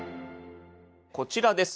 こちらです。